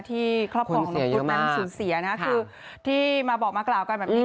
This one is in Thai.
ที่ครอบครองของคุณกันสูญเสียนะครับคือที่มาบอกมากราวกันแบบนี้